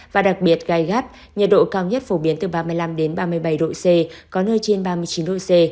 và đặc biệt gai gắt nhiệt độ cao nhất phổ biến từ ba mươi năm ba mươi bảy độ c có nơi trên ba mươi chín độ c